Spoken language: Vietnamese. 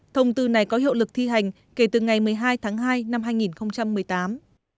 thông tư này có hiệu lực thi hành kể từ ngày một mươi hai tháng hai năm hai nghìn một mươi tám